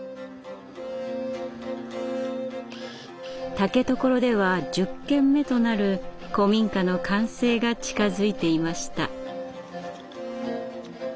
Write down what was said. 竹所では１０軒目となる古民家の完成が近づいていました。